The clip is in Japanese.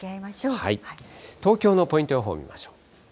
東京のポイント予報見ましょう。